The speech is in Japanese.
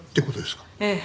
ええ。